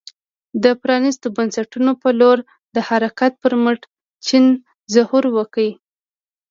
د پرانیستو بنسټونو په لور د حرکت پر مټ چین ظهور وکړ.